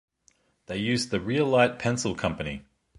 They used the name Realite Pencil Company.